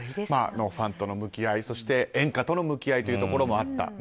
ファンとの向き合いそして演歌との向き合いというところもあった。